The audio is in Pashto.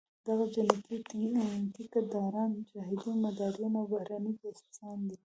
دغه جنګي ټیکه داران، جهادي مداریان او بهرني جاسوسان دي.